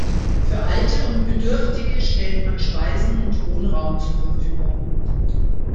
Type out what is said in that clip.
Für Alte und Bedürftige stellt man Speisen und Wohnraum zur Verfügung.